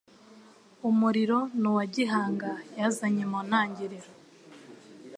Umuriro ni uwa Gihanga yazanye mu ntangiriro.